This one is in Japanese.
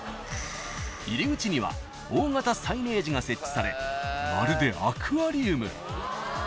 ［入り口には大型サイネージが設置されまるでアクアリウム］